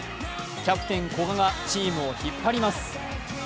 キャプテン・古賀がチームを引っ張ります。